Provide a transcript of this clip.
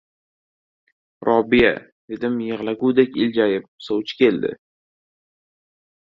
Robiya, - dedim yig‘lagudek iljayib, - sovchi keldi!